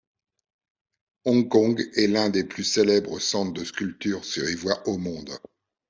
Hong Kong est l'un des plus célèbres centres de sculpture sur ivoire au monde.